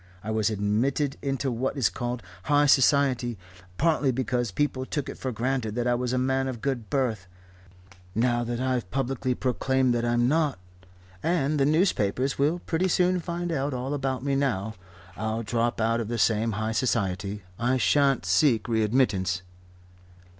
I was admitted into what is called high society, partly because people took it for granted that I was a man of good birth. Now that I've publicly proclaimed that I'm not and the newspapers will pretty soon find out all about me now I'll drop out of that same high society. I shan't seek readmittance."